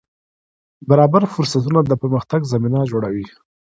برابر فرصتونه د پرمختګ زمینه جوړوي.